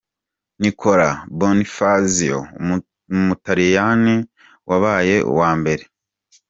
Niccolo Bonifazio umutaliyani wabaye uwa mbere .